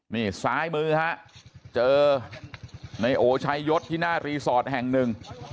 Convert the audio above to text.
นี่ซ้ายมือฮะเจอในโอชัยยศที่หน้ารีสอร์ทแห่งหนึ่ง